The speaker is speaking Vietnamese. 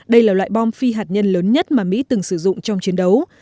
đây là loại bom phi hạt nhân lớn nhất mà mỹ từng sử dụng trong chiến đấu